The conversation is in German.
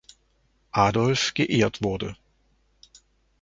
Adolf geehrt wurde.